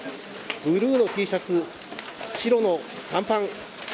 ブルーのＴシャツ、白の短パン。